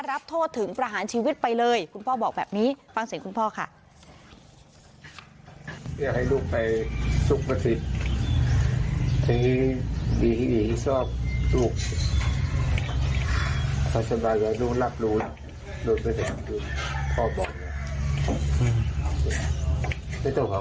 รับโทษถึงประหารชีวิตไปเลยคุณพ่อบอกแบบนี้ฟังเสียงคุณพ่อค่ะ